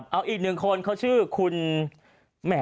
เอาอีกหนึ่งคนเขาชื่อ